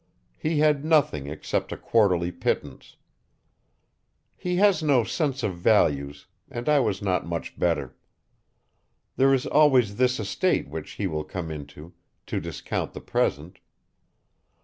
He had nothing except a quarterly pittance. He has no sense of values, and I was not much better. There is always this estate which he will come into, to discount the present.